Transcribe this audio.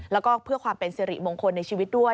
แล้วก็เพื่อความเป็นสิริมงคลในชีวิตด้วย